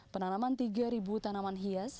penanaman tiga tanaman hias